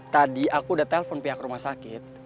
tadi aku udah telpon pihak rumah sakit